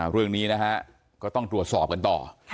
เรื่องนี้นะฮะก็ต้องตรวจสอบกันต่อ